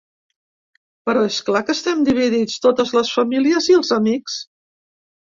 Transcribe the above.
Però és clar que estem dividits, totes les famílies i els amics.